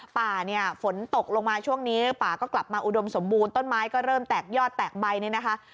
ป่าเนี่ยฝนตกลงมาช่วงนี้ป่าก็กลับมาอุดมสมบูรณ์ต้นไม้ก็เริ่มแตกยอดแตกใบเนี่ยนะคะ